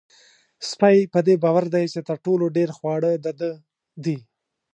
سپی په دې باور دی چې تر ټولو ډېر خواړه د ده دي.